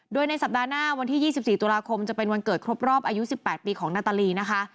โดยในสัปดาห์หน้าวันที่๒๔ตุลาคมจะเป็นวันเกิดครบรอบอายุ๑๘ปีของนาตาลีนะคะ